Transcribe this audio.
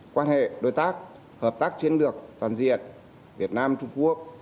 quan hệ đối tác hợp tác chiến lược toàn diện việt nam trung quốc